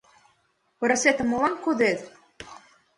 — Пырысетым молан кодет?